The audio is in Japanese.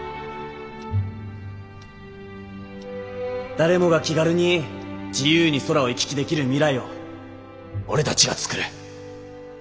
誰もが気軽に自由に空を行き来できる未来を俺たちが作る。